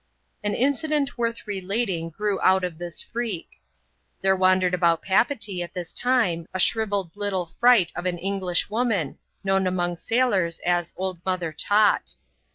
An incident worth relating grew out of this freak. There wandered about Papeetee, at this time, a shrirelled little fright of an English woman, known among sailors as " Old Mother Tot."